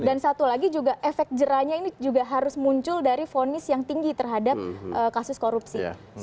dan satu lagi juga efek jerahnya ini juga harus muncul dari vonis yang tinggi terhadap kasus korupsi